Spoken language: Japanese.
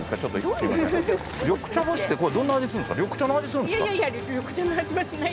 緑茶干しってどんな味するんですか？